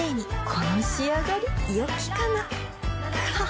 この仕上がりよきかなははっ